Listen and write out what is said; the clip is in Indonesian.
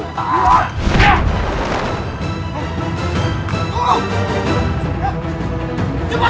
kenapa dia bersahaja